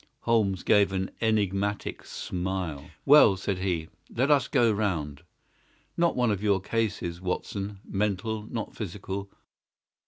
Holmes gave an enigmatic smile. "Well," said he, "let us go round. Not one of your cases, Watson—mental, not physical.